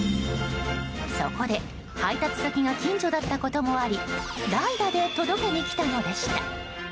そこで、配達先が近所だったこともあり代打で届けに来たのでした。